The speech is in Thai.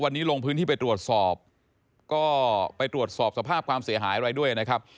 วันนี้ลงพื้นที่ไปตรวจสอบก็ไปตรวจสอบสภาพความเสียหายอะไรด้วยนะครับ